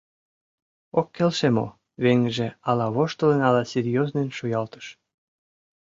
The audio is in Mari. Ок келше мо? — веҥыже ала воштылын, ала серьёзнын шуялтыш.